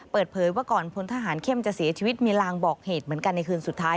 เปิดเผยว่าก่อนพลทหารเข้มจะเสียชีวิตมีลางบอกเหตุเหมือนกันในคืนสุดท้าย